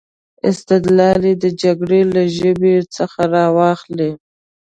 استدلال یې د جګړې له ژبې څخه را واخلي.